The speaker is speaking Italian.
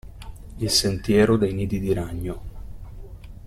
Il sentiero dei nidi di ragno.